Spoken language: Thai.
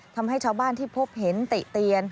ทำให้ชาวบ้านที่พบเห็นติเตียน